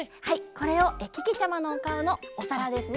これをけけちゃまのおかおのおさらですね